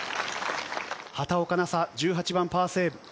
畑岡奈紗１８番、パーセーブ。